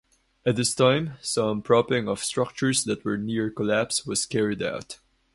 At this time some propping of structures that were near collapse was carried out.